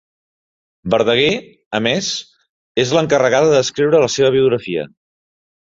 Verdaguer, a més, és l'encarregada d'escriure la seva biografia.